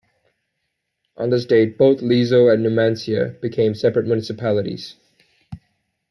On this date both Lezo and Numancia became separate municipalities.